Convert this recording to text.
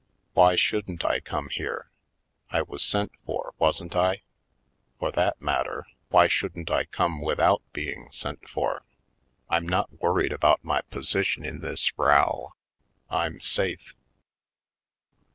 "Why shouldn't I come here? I was sent for, wasn't I? For that matter, why shouldn't I come without being sent for? I'm not worried about my position in this row — I'm safe."